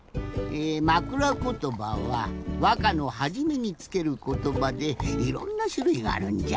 まくらことばはわかのはじめにつけることばでいろんなしゅるいがあるんじゃ。